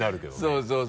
そうそう。